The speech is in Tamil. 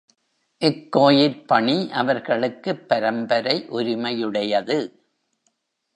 இக்கோயிற் பணி அவர்களுக்குப் பரம்பரை உரிமையுடையது.